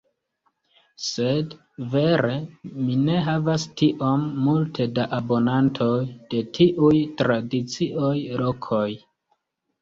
Sed vere mi ne havas tiom multe da abonantoj de tiuj tradicioj lokoj.